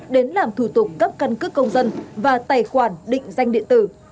đến làm thủ tục cấp căn cước công dân và tài khoản định danh điện tử